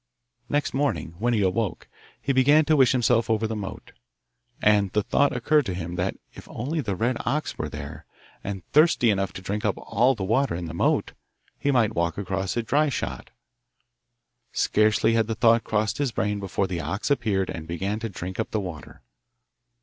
Next morning, when he awoke, he began to wish himself over the moat; and the thought occurred to him that if only the red ox were there, and thirsty enough to drink up all the water in the moat, he might walk across it dry shod. Scarcely had the thought crossed his brain before the ox appeared and began to drink up the water.